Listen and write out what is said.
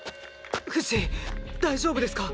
フシ大丈夫ですか？